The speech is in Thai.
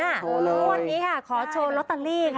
วันนี้ค่ะขอโชว์ลอตตาลีค่ะ